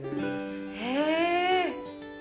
へえ。